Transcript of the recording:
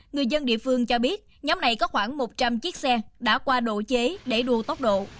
người dân địa phương cho biết nhóm này có khoảng một trăm linh chiếc xe đã qua độ chế để đua tốc độ